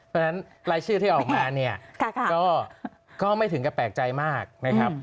เพราะฉะนั้นรายชื่อที่ออกมาเนี่ยก็ไม่ถึงกับแปลกใจมากนะครับ